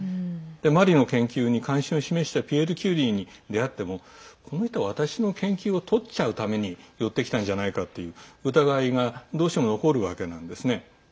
マリの研究に関心を示したピエール・キュリーに出会ってもこの人は私の研究をとっちゃうために寄ってきたんじゃないかっていう疑いがどうしても残るわけなんですね。